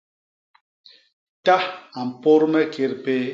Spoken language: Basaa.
Ta a mpôt me két péé.